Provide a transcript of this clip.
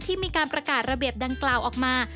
มีการประกาศระเบียบดังกล่าวออกมา